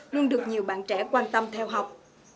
luôn được nhiều bạn trẻ quan tâm theo học